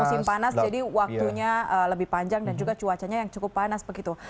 musim panas jadi waktunya lebih panjang dan juga cuacanya yang cukup panas begitu